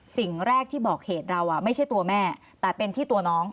สิ่งแรกที่บอกเหตุเราไม่ใช่ตัวแม่แต่เป็นที่ตัวน้อง